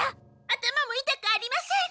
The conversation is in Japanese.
頭もいたくありません。